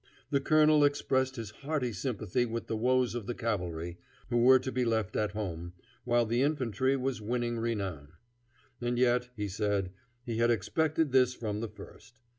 The colonel expressed his hearty sympathy with the woes of the cavalry, who were to be left at home, while the infantry was winning renown. And yet, he said, he had expected this from the first.